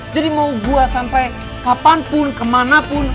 jadi mau gue sampai kapanpun kemanapun